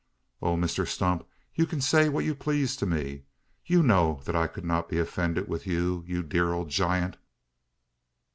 "Oh, Mr Stump! you can say what you please to me. You know that I could not be offended with you, you dear old giant!"